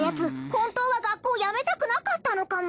本当は学校辞めたくなかったのかも。